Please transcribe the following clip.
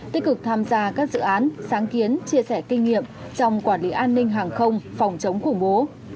tích cực tham gia các dự án sáng kiến chia sẻ kinh nghiệm trong quản lý an ninh hàng không phòng chống khủng bố